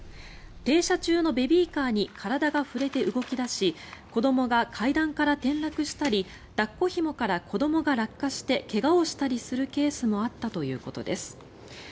停車中のベビーカーに体が触れて動き出し子どもが階段から転落したり抱っこひもから子どもが落下して怪我をしたりするケースもあったということです。